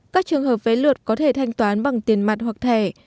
các trường hợp vé lượt có thể thanh toán bằng tiền mặt hoặc thẻ